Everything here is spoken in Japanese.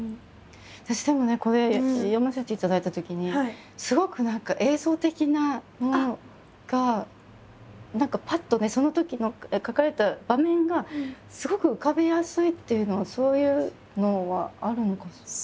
私でもねこれ読ませていただいたときにすごく何か映像的なものが何かパッとねそのときの書かれた場面がすごく浮かびやすいっていうのはそういうのはあるのかしら？